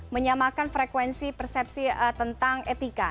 menyamakan frekuensi persepsi tentang etika